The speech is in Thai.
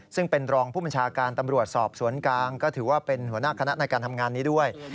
ซึ่งเป็นรองผู้บัญชาการตำรวจสอบสวนกลางก็ถือว่าเป็นหัวหน้าคณะในการทำงานนี้ด้วย